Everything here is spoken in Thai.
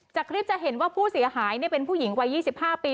จากคลิปจะเห็นว่าผู้เสียหายเป็นผู้หญิงวัย๒๕ปี